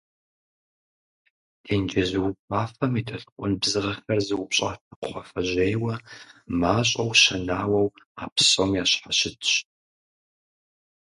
Тенджыз уфафэм и толъкъун бзыгъэхэр зыупщӏатэ кхъуафэжьейуэ, мащӏэу щэнауэу, а псом ящхьэщытщ.